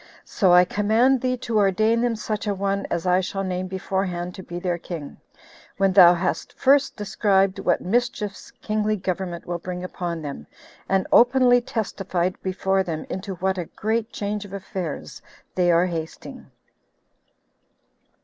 "So I command thee to ordain them such a one as I shall name beforehand to be their king, when thou hast first described what mischiefs kingly government will bring upon them, and openly testified before them into what a great change of affairs they are hasting."